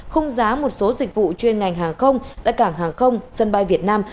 khung giá một số dịch vụ chuyên ngành hàng không tại cảng hàng không sân bay việt nam